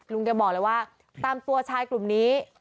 แกบอกเลยว่าตามตัวชายกลุ่มนี้